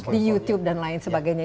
di youtube dan lain sebagainya